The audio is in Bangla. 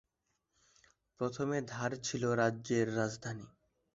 প্রথমে ধার ছিল রাজ্যের রাজধানী।